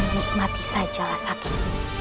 nikmati sajalah sakit